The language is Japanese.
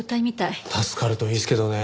助かるといいですけどね。